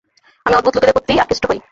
আমি অদ্ভুত লোকেদের প্রতিই আকৃষ্ট হই।